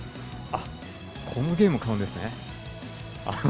あっ、このゲーム買うんですね。